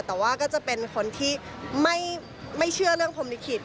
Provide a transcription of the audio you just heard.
แต่ว่าก็จะเป็นคนที่ไม่เชื่อเรื่องพรมลิขิต